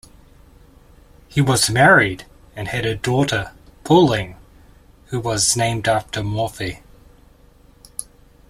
He was married, and had a daughter, Pauline, who was named after Morphy.